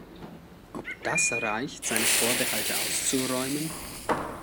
Ob das reicht, seine Vorbehalte auszuräumen?